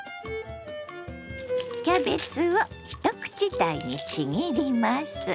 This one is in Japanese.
キャベツを一口大にちぎります。